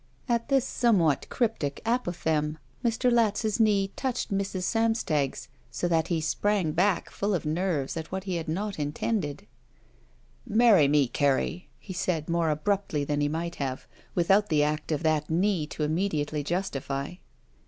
At this somewhat cryptic apothegm Mr. Latz's knee touched Mrs. Samstag's, so that he sprang back full of naires at what he had not intend^. "Marry me, Carrie," he said, more abruptly than he might have, without the act of that knee to imme diately justify.